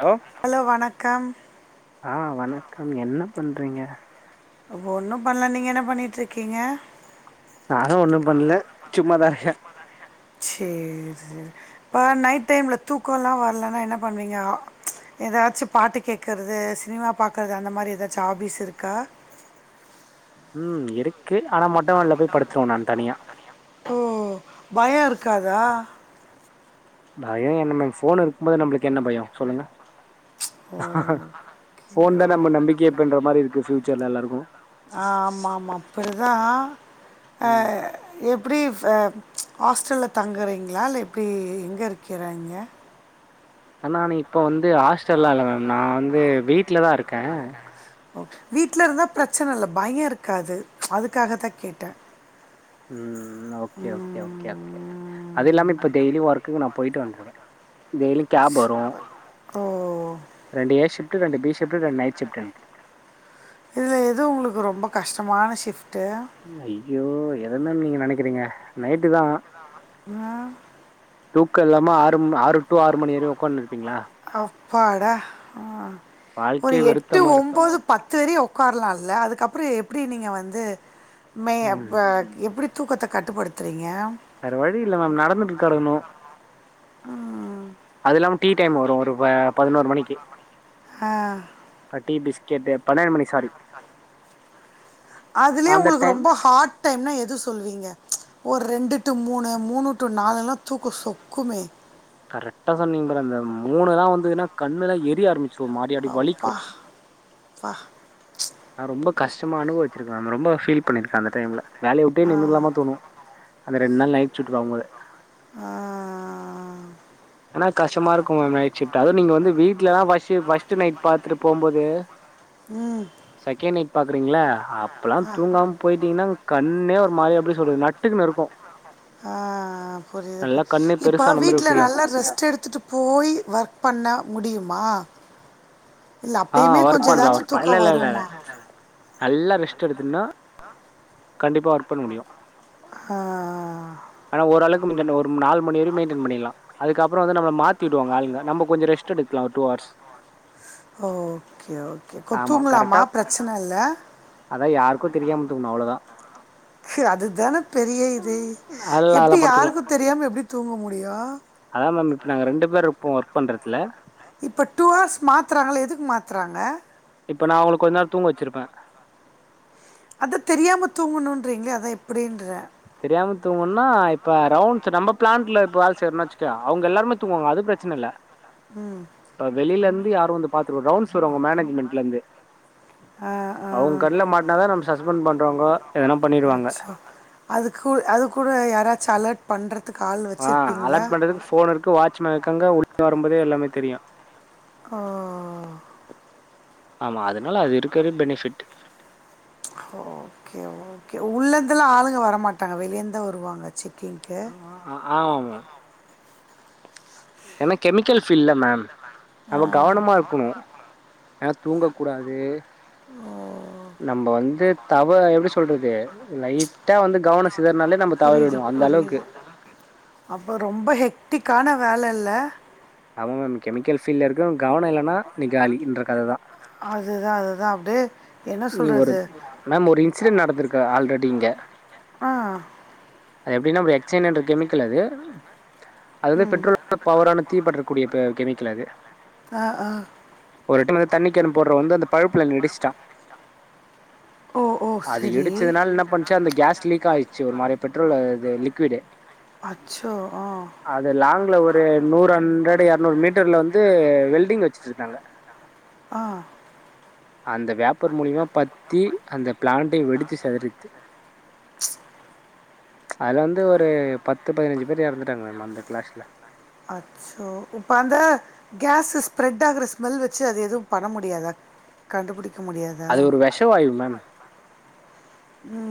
Hello hello வணக்கம் ஆ வணக்கம் என்ன பண்றீங்க அப்போ ஒன்னு பண்ணல நீங்க என்ன பண்ணிட்டு இருக்கீங்க நானு ஒண்ணு பண்ணல சும்மாதாஇருக்க சேரி சரி இப்ப நைட் டைம்ல தூக்கல்லா வரலன்னா என்ன பண்ணுவீங்க ஏதாச்சு பாட்டு கேக்கறது சினிமா பாக்கறது அந்த மாதிரி ஏதாச்சு ஹாபிஸ் இருக்கா ம் இருக்கு ஆனா மொட்ட மாடில போய் படுதுருவே நா தனியா ஓ பயம் இருக்காதா பயம் என்ன மேம் போன் இருக்கு போது நம்மளுக்கு என்ன பயம் சொல்லுங்க ஓ ஃபோன் தா நம்ம நம்பிக்கையே அப்பின்ற மாரி இருக்கு ஃபியூச்சர்ல எல்லாருக்கு ஆ ஆமா ஆமா அப்படிதா ஆ ம் எப்டி ஹ ஹாஸ்டல்ல தங்கிறீங்களா இல்ல எப்டி எங்க இருக்கிறாங்க ஆனா நா இப்போ வந்து ஹாஸ்டல்லா இல்ல மேம் நா வந்து வீட்ல தா இருக்க வீட்ல இருந்தா பிரச்சன இல்ல பயம் இருக்காது அதுக்காக தா கேட்ட ம் ஓகே ஓகே ஓகே ஓகே அது இல்லாம ம். இப்போ டெய்லி ஒர்க்குக்கு நா போயிட்டு வந்துருவ டெய்லி கேப் ஓ ரெண்டு ஏ ஷிப்ட்டு ரெண்டு பி ஷிப்ட்டு ரெண்டு நைட் ஷிப்ட்டு எனக்கு இதுல எது உங்களுக்கு ரொம்ப கஷ்டமான ஷிஃப்ட்டு ஐயோ எத மேம் நீங்க நெனைக்கிறீங்க நைட்டு தா ஆ தூக்க இல்லாம ஆறு ஆறு டூ ஆறு மணி வரையு உக்காந்து இருப்பீங்களா அப்பாடா ஆ ஒரு வாழ்க்கையே வெறுத்த எட்டு மாரி ஒம்போது பத்து வரையு உக்காரலால்ல அதுக்கப்புற எப்டி நீங்க வந்து மே ஆ ம் மேப் எப்டி தூக்கத்த கட்டுப்படுத்துறீங்க வேற வழி இல்ல மேம் நடந்துட்டு கடக்கணு ம் அது இல்லாம டீ டைம் வரு ஒரு பதினோரு மணிக்கு ஆ அப்ப டீ பிஸ்கெட்டு பன்னெண்டு மணி சாரி அதுலயே அந்த உங்களுக்கு டைம் ரொம்ப ஹாட் டைம்னா எதுவும் சொல்லுவீ ஒரு ரெண்டு டு மூணு மூணு டு நாலல்லா தூக்க சொக்குமே கரெக்ட்டா சொன்னீங்க பாரு அந்த மூணுல்லா வந்துதுன்னா கண்ணு எல்லா எரிய ஆரமிச்சு அப்பா வா நா ரொம்ப கஷ்டம்லா அனுபவிச்சிருக்க நா ரொம்ப ஃபீல் பண்ணிருக்க அந்த டைம்ல வேலைய விட்டே ஆ நின்னுறலாமா தோணு அந்த ரெண்டு நாள் நைட் ஷிஃப்ட்டு பாக்கும் போதே ஆ ஆனா கஷ்டமா இருக்கு மேம் நைட் ஷிஃப்ட் அதும் நீங்க வந்து வீட்லா தா ஃபஸ்ட் ஷிப்ட் ஃபஸ்ட்டு நைட் பாத்துட்டு போம் போது ம் செகண்ட் நைட் பாக்குறீங்ள அப்பலா தூங்காம போய்டீங்கன்னா கண்ணே ஒரு மாரி எப்டி சொல்றது நட்டுக்குன்னு இருக்கும் ஆ ஆ புரியுது கண்ணே புரியுது இப்ப பெருசான மாரி ஒரு வீட்ல ஃபீலா நல்ல ரெஸ்ட் எடுத்துட்டு போய் ஒர்க் பண்ண முடியுமா இல்ல ஆ அப்பயுமே கொஞ்ச ஒர்க் பண்லாம் ஏதாச்சு ஒர்க் பண் தூக்கோ இல்ல இல்ல இல்ல இல்ல. வருமா நல்லா ரெஸ்ட் எடுத்துன்னா கண்டிப்பா ஒர்க் பண்ண முடியு ஆ ஆ ஆனா ஒரவுளக்கு முந்தின ஒரு நாலு மணி வர மெயின்டெய்ன் பண்ணிர்லா அதுக்கப்றோ வந்து நம்ம மாத்தி விடுவாங்க ஆளுங்க நம்ப கொஞ்ச ரெஸ் ட் எடுக்கலா ஒரு டூ ஹார்ஸ் ஓகே ஓகே கொத் தூங்கலாமா பிரச்சன இல்ல அதா யாருக்கும் தெரியாம தூங்கணு அவ்ளோ தா அது தான பெரிய இது அதெல்லாம் எப்டி அதெல்லாம் படுத்துக்கலாம். யாருக்கும் தெரியாம எப்டி தூங்க முடியு அதா மேம் இப்ப நாங்க ரெண்டு பேரு இருப்போ ஒர்க் பண்றதுல இப்போ டூ ஹர்ஸ் மாத்துறாங்ல்ல எதுக்கு மாத்துறாங்க இப்ப நா உங்ள கொஞ்ச நேரோ தூங்க வச்சிருப்ப அதா தெரியாம தூங்கணுன்றீங்ளே அதா எப்டின்ற தெரியாம தூங்குன்னா இப்ப ரவுண்ட்ஸ் நம்ம பிளான்ட்ல இப்போ வேல செய்றன் வச்சுக்க அவுங் எல்லாருமே தூங்குவாங்க அது பிரச்சனல்ல ம் அ வெளிலருந்து யாரு வந்து பாத்துருவ ரவுண்டஸ் வருவாங்க மேனஜ்மெண்ட்லருந்து ஆ அவுங் ஆ கண்ல மாட்னா தா நம் சஸ்பெண்ட் பண்றவங்க எதன்னா பண்ணிடுவாங்க அதுக்கு ஒ அதுக் கூட யாராச்சு அலட் பண்ட்றதுக்கு ஆளு ஆ அலாட் பண்றதுக்கு ஃபோன் இருக்கு வாட்ச்மேன் இருக்காங்க உள்ள வரும்போதே எல்லாமே தெரியு ஆ ஆமா அதனால அது இருக்கறது பெனிஃபிட் ஓகே ஓகே உள்ளருந்தெல்லா ஆளுங்க வரமாட்டாங்க வெளிய இருந்துதா வருவாங்க செக்கிங்க்கு ஆ ஆமா மேம் ஏனா கெமிக்கல் ஃபீல்டுல மேம் ஆ நம்ம கவனமா இரு க் கு ஏனா தூங்க கூடாது அ நம்ப வந்து தவ எப்டி சொல்றது லைட்டா வந்து கவனோ சிதர்னாலே நம்ம புரியுது தவறவிடுவோ அந்தளவுக்கு புரியுது அப்போ ரொம்ப ஹெக்டிக்கான வேல இல்ல ஆமா மேம் கெமிக்கல் ஃபீல்ல இருக்றவ கவனோ இல்லனா நீ காலின்ற கததா அதுதா அதுதா அப்ட்டு நீ ஒரு மேம் ஒரு இன்சிடென்ட் நடந்திருக்கா ஆல்ரெடி இங்க ஆ அது எப்டின்னா ஒரு எச் என் என்ற கெமிக்கல் அது அது வந்து ம் பெட்ரோல் [unintelligible] பவரான தீ பற்றக்கூடிய க கெமிக்கல் அது தா ஆ ஒரு எட்டுமேல வந்து தண்ணி கேன் போடுற வந்து அந்த பைபுலையேன்ல இடிச்டா ஓ ஓ அது சரி இடிச்சதுனால என்ன பண்ணுச்சு அந்த கேஸ் லீக் ஆயிடுச்சு ஒரு மாரி பெட்ரோலு இது லிக்விடு அச்சோ ஆ அது லாங்ல ஒரு நூறு ஹண்ரெட் இரநூறு மீட் டர்ல வந்து வெல்டிங் வச்சுட்டு இருந்தாங்க ஆ அந்த வியப்பர் மூலிமா பத்தி அந்த பிளாண்டே வெடிச்சி செதரிட்டு ம்ச் அதுல வந்து ஒரு பத்து பதினஞ்சு பேர் எறந்துடாங்க மேம் அந்த கிளஷ்ல அச்சோ இப்பௌ அந்த கேஸ் ஸ்ப்ரெட்டாகுற ஸ்மெல் வச்சு அது எதுவு பண்ண முடியாதா கண்டுபுடிக்க முடியாதா அது ஒரு விஷவாயு மேம் ம்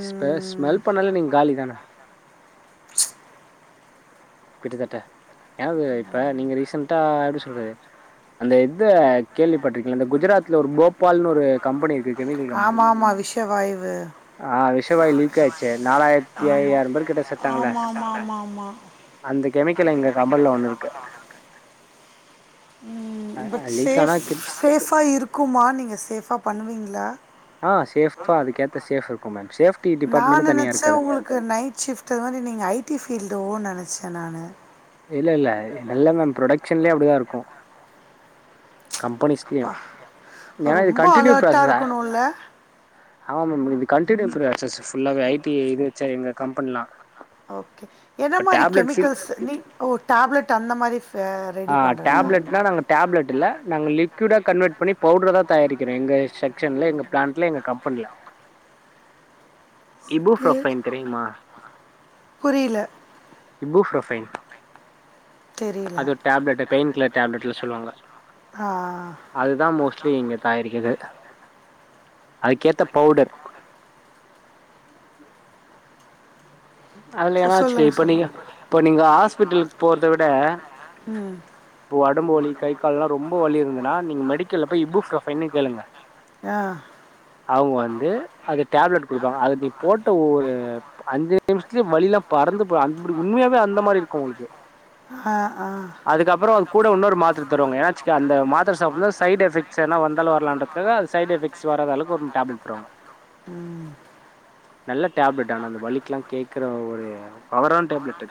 ம் ஸ்பெ ஸ்மெல் பண்ணாலே நீங்க காலி தான கிட்டத்தட்ட யாராவது இப்ப நீங்க ரீசன்டா எப்டி சொல்றது அந்த இத்த கேள்விப்பட்டிருக்கிங்களா இந்த குஜராத்ல ஒரு போபால்னு ஒரு கம்பனி இருக் ஆமா ஆமா விஷவாய்வு ஆ விஷவாய்வு லீக் ஆச்சே நாலாயிரத்தி ஐயாயிரோ பேரு கிட்ட செத்தாங்களே ஆமாமாமாமா. இந்த கெமிக்கலு எங்க கம்பன்ல்ல ஒன்னுருக்கு ம் பட் லீக் ஆனா சேஃப் கிட் சேஃபா இருக்குமா நீங்க சேஃபா பண்ணுவீங்களா ஆ சேஃப்பா அதுக்கேத்த சேஃப் இருக்கும் மேம் சேஃப்டி நான் டிபார்ட்மெண்ட்னு தனியா நெனச்சேன் இருக்காது உங்களுக்கு நைட் ஷிஃப்ட்ன்னது நீங்கள் ஐ டி ஃபீல்டோனு நெனச்ச நானு இல்ல இல்ல எல்லாமே புரொடக் ஷன்லயே அப்டிதா இருக்கு கம்பெனிஸ் அப்பா! கியம் ஏன்னா இது ரொம்ப கண்டினியூ அலர்ட்டா ப்ராசஸா இருக்கணும்ல? ஆமாம் மேம் இது கண்டினியூ ப்ராசஸ் ஃபுல்லாவே ஐடி இது ச்சா எங்க கம்பெனிலா ஓகே என்ன இப்ப மாரி டேப்லெட் ஃபீல் கெமிக்கல்ஸ் நீ ஒ டேப்லெட் அந்த மாரி ஃபேர் ஆ டேப்லெட்னா நாங்க டேப்லெட் இல்ல நாங்கள் லிக்விடா கன்வெர்ட் பண்ணி பவுட்ர தா தயாரிக்கிறோ எங்க செக்க்ஷன்ல எங்க பிளான்ட்ல எங்க கம்பெனில இபு க்கு புரோஃபைன் தெரியுமா புரில இபு புரோஃபைன் தெரில அது ஒரு டேப்லெட்டு பெயின் கில்லர் டேப்லெட்னு சொல்லுவாங்க ஆ அதுதா மோஸ்ட்லி இங்க தயாரிக்கிறது அதுக்கேத்த பவுடர் அதுல சொ எனாச்சு சொல்லுங்க இப்ப நீங்க சொல்லுங்க இப்ப நீங்க ஹாஸ்பிட்டலுக்கு போறத விட ம் இப்போ ஒடம்பு வலி கை கால்லாம் ரொம்ப வலி இருந்துனா நீங்க மெடிக்கல்ல போயி இபு புரோஃபைன்னு கேளுங்க ஆ அவுங்க வந்து அது டேப்லெட் குடுப்பாங்க அது நீ போட்ட ஒரு அஞ்சே நிமிஷத்துல வலில்லா பறந்து போ அந்தபடி உண்மையாவே அந்த மாரி இருக்கும் உங்களுக்கு ஆ ஆ அதுக்கப்புறம் கூட இன்னொரு மாத்தர தருவாங்க ஏனாச்சிக அந்த மாத் திர சாப்டனு சைடு எஃபெக்ட்ஸ் எதுனா வந்தாலும் வரலான்றத்துகாக அது சைடு எஃபெக்ட்ஸ் வராத அளவுக்கு ஒரு டேப்லெட் தருவாங்க ம் நல்ல டேப்லெட் ஆனா அந்த வலிக்கு எல்லாம் கேக்குற ஒரு பவரான டேப்லெட்டு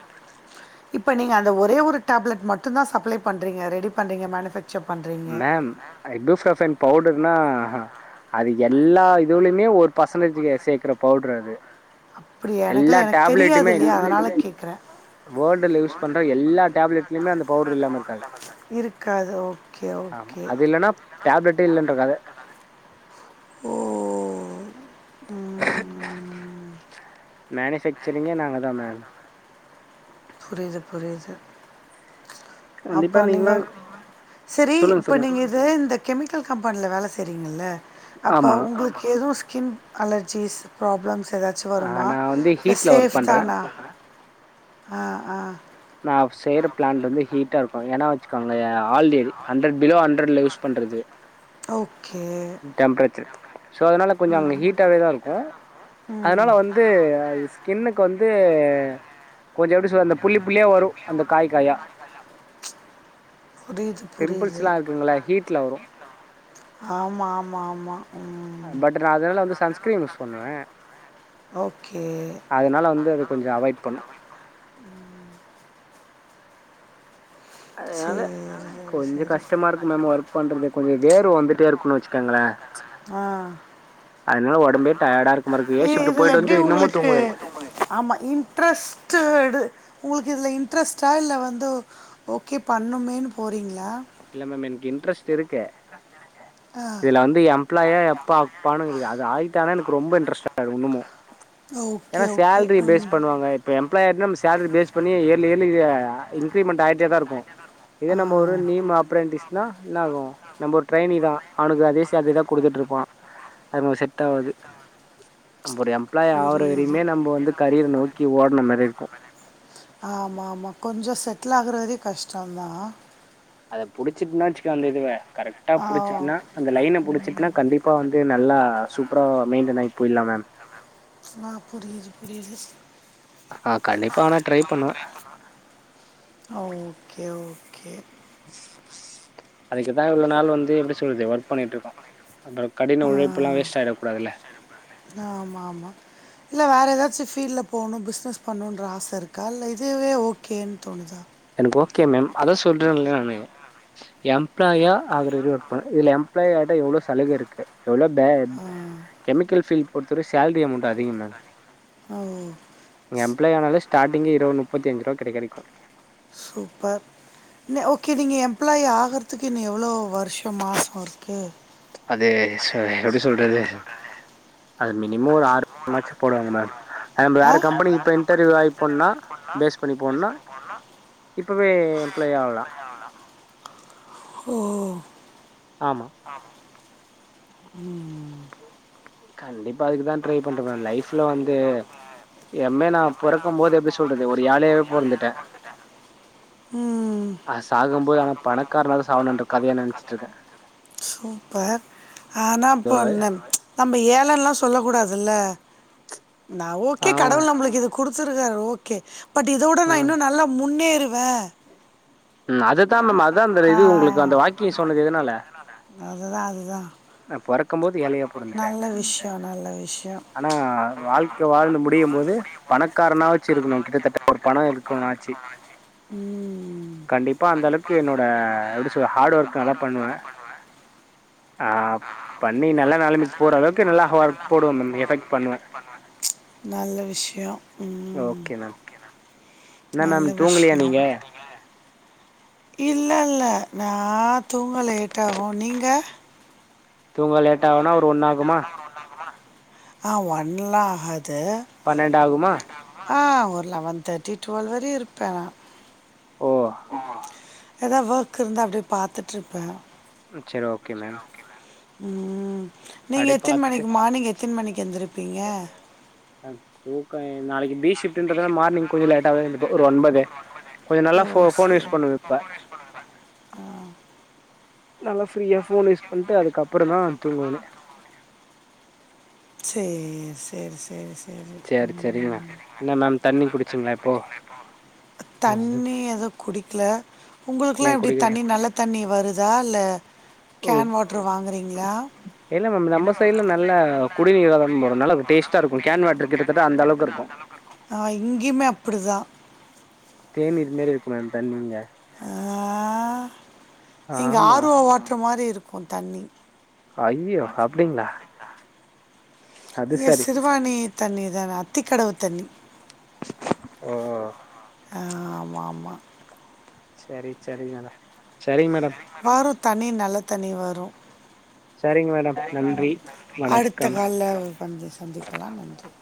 இப்ப நீங்க அந்த ஒரே ஒரு டேப்லெட் மட்டுந்தா சப்ளை பண்றீங்க ரெடி பண்றீங்க மேனுஃபக்சர் பண் மேம் [unintelligible] பவுடர்னா அது எல்லா இதுலுமே ஒரு ஃபர்சன்டேஜிகி சேக்குற பவுடர் அது அப்டியா எல்லா எனக்கெல்ல எனக்கு தெரியாது டேப்லெட்டுமே நீ இல்லையா அதனால கேக்கு வேர்ல்டுல யூஸ் பண்ற எல்லா டேப்லட்லயுமே அந்த பவுட்ரு இல்லாம இருக்காது காதோ ஆமா அது இல்லன்னா டேப்லெட்டே இல்லன்ற கத ஓ ம் மேனிஃபேக்சரிங்கே நாங்க தா மேம் புரிது புரிது கண்டிப்பா அப்ப நீங்களா நீங்கோ செரி சொல்லுங்க இப்ப சொல்லுங்க. நீங்க இத இந்த கெமிக்கல் கம்பென்ல வேல செய்றீங்க இல்ல அப்ப ஆமா. உங்களு எதோ ஸ்கின் அலர்ஜீஸ் பிராப்ளம்ஸ் ஏதாச்சு அ வருமா நான் வந்து இல்ல ஹீட்ல ஒர்க் சேஃப் பண்றேன். தானா ஆ ஆ நா செய்யற பிளாண்ட் வந்து ஹீட்டா இருக்கு ஏனா வச்சுக்கோங்க ஆல்டடி ஹண்ட்ரட் பிலோ ஹண்ட்ரட்ல யூஸ் பண்றது ஓகே டெம்ப்ரேச்சர் சோ அதனால கொஞ்சம் அங்க ஹீட்டாவே தா இருக்கும் ம் அதனால வந்து அது ஸ்கின்னுக்கு வந்து கொஞ்சம் எப்படி சொல்ல உள்ளே வரு அந்த காய் காயா புரியுது பிம்பிள்ஸ்ல்லா இருக்குங்கள ஹீட்ல வரு ஆமா ஆமா ஆமா பட் நா அதனால வந்து சன்ஸ்கிரீம் யூஸ் பண்ணுவ ஓகே அதனால வந்து அத கொஞ்சோ அவாய்ட் பண்ணு அதனால சரி கொஞ்சோ சரி சரி கஷ்டமா இருக்கும் மேம் ஒர்க் பண்றது கொஞ்ச வேர்வ வந்துட்டே இருக்குன்னு வச்சுக்கங்கள ஆ டயர்டா இருக்க மாரி இருக்கு ஏ எ ஷிப்ட் இதுல போயிட்டு எப்டி வந்து இன்னமு ஒங்ளுக்கு தூங்கவே இல்ல ஆமா இன்ட்ரெஸ்ட்டடு ஒங்களுக்கு இதுல இன்ட்ரெஸ்டா இல்ல வந்து ஓகே பண்ணுமேன்னு போறீங்களா இல்ல மேம் என்க் இன்டரெஸ்ட் இருக்கு இன்ட்ரெஸட் இருக்கு இதுல வந்து எம்ப்ளாயா எப்ப ஆக்ப்பானுங்கிது அது ஆகிட்டானா எனக்கு ரொம்ப இன்ட்ரெஸ்ட் ஆயிடு இன்னமு ஏன்னா ஓகே ஓகே சேல்ரி ஃபேஸ் ம் பண்வாங்க இப்போ எம்ப்ளாயாய்ட்டோனா சேல்ரி ஃபேஸ் பண்ணி ஏர்லி ஏர்லி அ இன்கிரிமெண்ட் ஆய்ட்டே தா இருக்கு இத ஆ நம்ம ஒரு நீம் அப் அப்ரண்டடிஸ் னா என்ன ஆகு நம்ம ஒரு ட்ரைனி தா அவனுக்கு அதே சேல்ரி தா குடுத்துட்டு இருப்பா அது நமக்கு செட் ஆவாது நம்பொட எம் எம்ப்ளாயா ஆவுர புரியுது வரையுமே நம்ம வந்து கரியர நோக்கி ஓடுன மாரி இருக்கு ஆமா ஆமா கொஞ்சோ செட்டிலாகுர வரயு கஷ்டந்தா அத புடிச்சிட்னா வச்சுக்கே அந்த இதுவ கரெக்டா ஆ புடிச்சிட்னா அந்த லைன புடிச்சுட்னா கண்டிப் இப்ப வந்து நல்லா சூப்பரா மெயின்டென் ஆயி போய்லா மேம் ஆ புரியிது புரியிது சார் ஆ கண்டிப்பா ஆனா ட்ரை பண்ணுவே ஆ ஓகே ஓகே [inaudible] அதுக்குதா இவ்ளோ நாள் வந்து எப்டி சொல்து ஒர்க் பண்ணிட்டுருக்கோ அப்றோ கடின உழைப்புலா வேஸ்ட் ஆய்டக்கூடாதுல ஆ ஆமா ஆமா இல்ல வேற ஏதாச்சு ஃபீல்டில் போணு பிஸ்னஸ் பண்ணுன்ற ஆச இருக்கா இல்ல இதுவே ஓ கேன்னு தோணுதா எனக்கு ஓகே மேம் அதா சொல்றேல்ல நானு எம்ப்ளாயா ஆகறது எப்ப இது எப்ளாய் ஆயிட்டா எவ்ளோ சலுக இருக்கு எவ்ளோ பேட் ஆ கெமிக்கல் ஃபீல்ட பொறுத்தவர சேல்ரி அமௌண்ட் அதிகோ மேம் ஆ ஓ நீங்க எம்ப்ளாய் ஆனாலே ஸ்டாட்டிங் இருவ நுப்பத்தஞ்சி ரூவாகூட கெடைக்கு சூப்பர் ஓ கே நீங்க எம்ப்ளாயி ஆகறதுக்கு இன்னு எவ்ளோ வருஷோ மாசோ இர்க்கு அதே சொ எப்டி சொல்றது அது மினிமோ ஒரு ஆறுமாச்சி போடுவாங்க மேம் அம் ஆ? வேற கம்பெனிக்கி இப்ப இன்டர்வியூ ஆகிப்போணுனா ஃபேஸ் பண்ணி போனுனா இப்பவே எம்ப்ளாய் ஆவ்லா ஓ ஆமா ஆமா ம் ம் கண்டிப்பா அதுக்குதா ட்ரை பண்ற மேம் லைஃப்ல வந்து எம்மே நா பொறக்கு போது எப்டி சொல்றது ஒரு ஏழயாவே பொறந்துட்ட ம். அ சாகும்போது ஆனா பணக்காரனாதா சாவ்ணுன்ற கதய நெனச்சிட் ர்க்கே சூப்பர் ஆனா இப்பென்ன நம்ம ஏழல்லா சொல்ல கூடாதுல்ல நா ஓ கே ஆமா கடவுள் நம்மளுக் இது கொடுத்துருக்காரு ஓகே பட் இத விட நா ம் இன்னு நல்லா முன்னேறுவ ம் அதுதா மேம் அதா அந்த ஆ. இது உங்களுக்கு அந்த வாக்கியோ சொன்னது எதனால அததா அதுதா நா பொறக்கும் போது ஏழயா பொறந்துட்டே விஷயம் நல்ல விஷயம் னா வாழ்க்க வாழ்ந்து முடியும் போது பணக்காரனா வச்சி இருக்கணும் கிட்டத்தட்ட ஒரு பணனோ இருக்கனோயாச்சி ம் கண்டிப்பா அந்த அளவுக்கு என்னோட எப்டி சொல ஹார்ட் ஒர்க் நல்லா பண்ணுவன் ஆ நல்ல பண்ணி நெலைமைக்கு நல்லா போற அளவுக்கு ஓரளவுக்கு நல்லா ஒர்க் போடுவே போடும் மேம் போடும் எஃபெக்ட் பண்ணுவே. எஃபக்ட் பண்ணுவ நல்ல விஷ்யோம் ஓகே மேம் என்ன மேம் நல்ல தூங்கலியா நீங்க இல்ல இல்ல நா தூங்க லேட்டாகும் நீங்க தூங்கா லேட் ஆவுணா ஒரு ஒன்னு ஆகும்மா ஆ ஒன்லா ஆகது பன்னெண்டாகுமா ஆ ஒரு லெவன் தேர்ட்டி டுவெல் வர இருப்ப ஆ ஓ! எதா ஒர்க் இருந்தா அப்டியே பாத்துட்ருப்பன் ம் செரி ஓகே மேம் ம் நீங்க அப்டியே எத்ன் பாத்துட்டு மணிக்கு மார்னிங் எத்ன் மணிக்கு எந்திருப்பீங்க ம் ரூகாய் நாளைக்கி பீ ஷிபன்றதா மார்னிங் கொஞ்ச லேட்டாவே எந்துப்ப ஒரு ஒன்பது கொஞ்ச நல்லா ஃபோ ஃபோன் யூஸ் பண்ணுவ இப்ப ம் நல்லா ஃப்ரீயா ஃபோன் யூஸ் பண்ட்டு அதுக்குப்புற தான் தூங்குவனே சேர் சேர் சேர் சேர் செரிங்க என்ன மேம் தண்ணி குடிச்சிங்களா இப்போ ம். தண்ணி எதவு குடிக்கல உங்களுக்குலா ஏன் எப்டி குடிக்கல? தண்ணி நல்ல தண்ணி வருதா இல்ல ஓ கேன் வாட்ரு வாங்குறீங்களா இல்ல மேம் நம்ம சைட்ல நல்ல குடிநீர் வ வரும் நல்ல டேஸ்ட்டா இருக்கும் கேன் வாட்டரு கிட்டத்தட்ட அந்த அளவுக்கு இருக்கும் ஆ எங்கேயுமே அப்டி தா தேன் இது மேரி இருக்கு மேம் தண்ணீங்க ஆ இங்க ஆமா ஆர் ஓ வாட்ருமாரி இருக்கும் தண்ணி ஐய்யோ அப்டிங்களா அது இங்க சரி சிறுவாணி தண்ணி தான அத்தி கடவ தண்ணி ஓ ஆமா மா சரி சரி மேடம் சரிங் மேடம் வாரு தண்ணி நல்ல தண்ணி வரும் சரிங்க மேடம் நன்றி அடுத்த வணக்கம் கால்ல சந்திக்கலாம் நன்றி